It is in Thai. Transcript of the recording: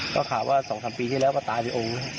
ก็ข่าวว่า๒ซับปีที่แล้วปลากายที่องค์